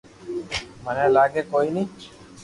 مني لاگي ڪوئي ني